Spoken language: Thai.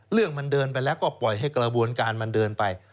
เรื่องมันเดินไปแล้วก็ปล่อยให้กระบวนการมันเดินไป